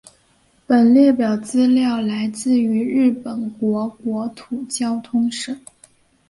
本列表资料来自于日本国国土交通省。